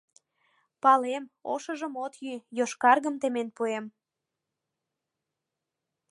— Палем, ошыжым от йӱ, йошкаргым темен пуэм.